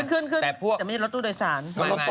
ขึ้นแต่ไม่ใช่รถตู้โดยสาร